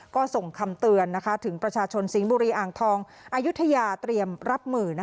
ก็ส่งคำเตือนถึงประชาชนสิงห์บุรีอ่างทองอายุทยาเตรียมรับมือ